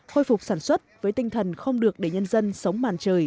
khôi phục sản xuất với tinh thần không được để nhân dân sống màn trời